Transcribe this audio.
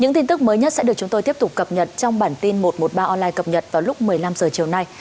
những tin tức mới nhất sẽ được chúng tôi tiếp tục cập nhật trong bản tin một trăm một mươi ba online cập nhật vào lúc một mươi năm h chiều nay